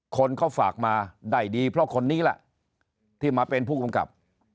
คนเขาฝากมาได้ดีเพราะคนนี้แหละที่มาเป็นผู้กำกับ